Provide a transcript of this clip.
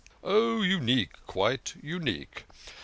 " Oh, unique quite unique.